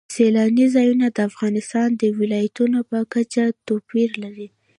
سیلانی ځایونه د افغانستان د ولایاتو په کچه توپیر لري.